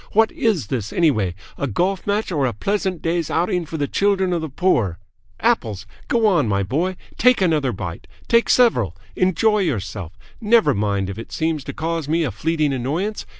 What is this, anyway a golf match or a pleasant day's outing for the children of the poor? Apples! Go on, my boy, take another bite. Take several. Enjoy yourself! Never mind if it seems to cause me a fleeting annoyance.